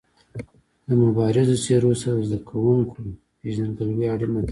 د مبارزو څېرو سره د زده کوونکو پيژندګلوي اړینه ده.